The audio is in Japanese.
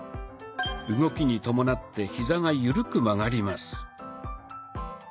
動きに伴ってヒザが緩く曲がります。